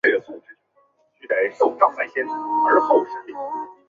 一些系统已经开发域名所有者来识别谁可以发送邮件。